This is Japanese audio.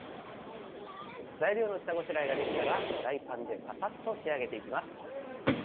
材料の下ごしらえができたらフライパンでささっと仕上げていきます。